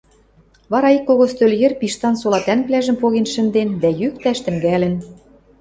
Вара ик кого стӧл йӹр Пиштан сола тӓнгвлӓжӹм поген шӹнден дӓ йӱктӓш тӹнгӓлӹн.